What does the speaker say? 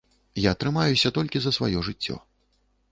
Я трымаюся толькі за сваё жыццё.